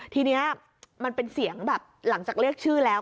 ทีนี้มันเป็นเสียงแบบหลังจากเรียกชื่อแล้ว